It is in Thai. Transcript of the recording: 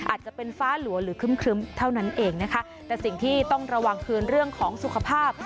อาจจะเป็นฟ้าหลัวหรือครึ้มเท่านั้นเองนะคะแต่สิ่งที่ต้องระวังคือเรื่องของสุขภาพ